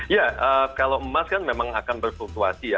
ya kalau emas kan memang akan berfluktuasi ya